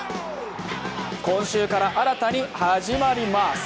今週から新たに始まります。